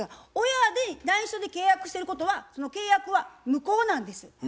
親に内緒で契約してることはその契約は無効なんです。